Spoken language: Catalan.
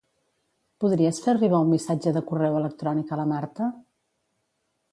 Podries fer arribar un missatge de correu electrònic a la Marta?